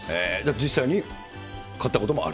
実際に買ったこともある？